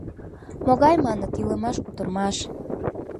— Могай, — маныт, — илымаш, кутырымаш!